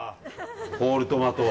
ホールトマト。